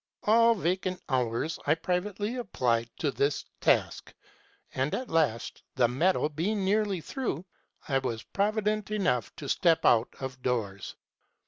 All vacant hours I privately applied to this task ; and at last, the metal being nearly through, I was provident enough to step out of doors.